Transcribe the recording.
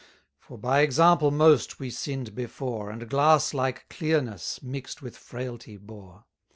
For by example most we sinn'd before, And glass like clearness mix'd with frailty bore.